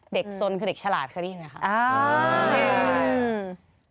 เด็กสนคือเด็กฉลาดคือดีไหมครับ